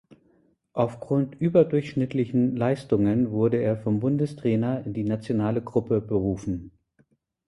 Aufgrund überdurchschnittlichen Leistungen wurde er vom Bundestrainer in die Nationale Gruppe berufen.